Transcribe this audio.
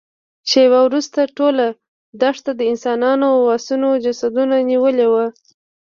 شېبه وروسته ټوله دښته د انسانانو او آسونو جسدونو نيولې وه.